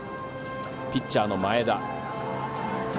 ピッチャーの前田。